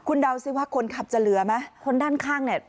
คุณเดาสิว่าคนขับจะเหลือไหมคนด้านข้างเนี่ย